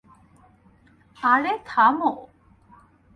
আরে থাম!